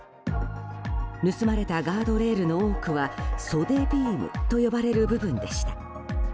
盗まれたガードレールの多くは袖ビームと呼ばれる部分でした。